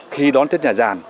khi đón tết nhà giàn